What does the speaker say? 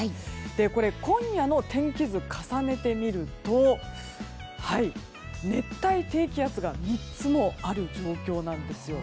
これ、今夜の天気図を重ねてみると熱帯低気圧が３つもある状況なんです。